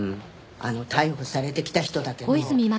あの逮捕されてきた人だけど。